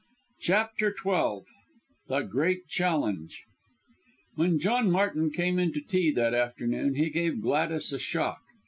CHAPTER XII THE GREAT CHALLENGE When John Martin came into tea that afternoon, he gave Gladys a shock.